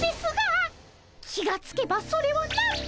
気がつけばそれはなんと。